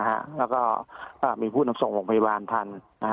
อ่าแล้วก็อ่ามีผู้นำส่งของพยาบาลทันนะฮะ